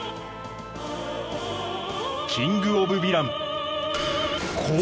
キング・オブ・ヴィラン降臨。